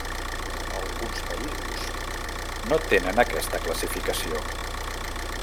Alguns països no tenen aquesta classificació.